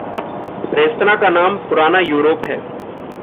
Restaurant का नाम "पुराना युरोप" है।